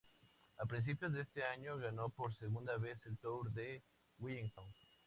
A principios de este año ganó por segunda vez el Tour de Wellington.